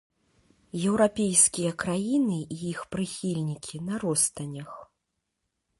Еўрапейскія краіны і іх прыхільнікі на ростанях.